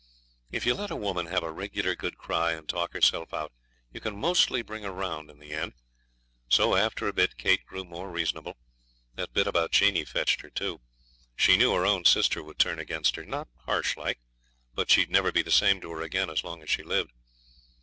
If you let a woman have a regular good cry and talk herself out, you can mostly bring her round in the end. So after a bit Kate grew more reasonable. That bit about Jeanie fetched her too. She knew her own sister would turn against her not harsh like, but she'd never be the same to her again as long as she lived.